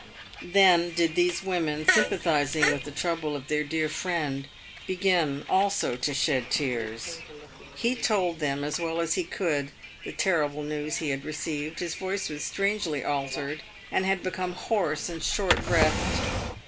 Then did these women, sympathising with the trouble of their dear friend, begin also to shed tears. He told them, as well as he could speak, the terrible news he had received. His voice was strangely altered, and had become hoarse and short breathed.